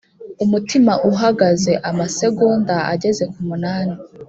umutima uhagaze"amasegonda ageze ku munani